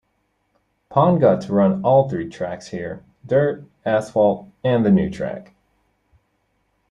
Pond got to run all three tracks here-dirt, asphalt and the new track.